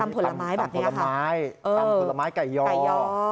ตำผลไม้แบบนี้ค่ะตำผลไม้ไก่ย่อ